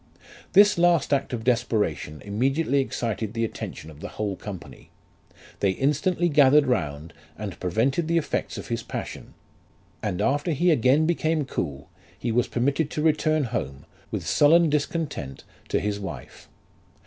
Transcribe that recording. "This last act of desperation immediately excited the attention of the whole company ; they instantly gathered round, and prevented the effects of his passion ; and after he again became cool, he was permitted to return home, with sullen discontent, to his wife.